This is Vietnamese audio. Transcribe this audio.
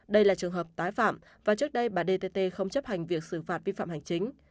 đây là trường hợp tái phạm và trước đây bà dt không chấp hành việc xử phạt vi phạm hành chính